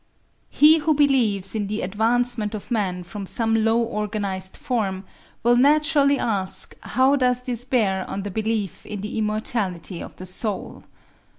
He who believes in the advancement of man from some low organised form, will naturally ask how does this bear on the belief in the immortality of the soul.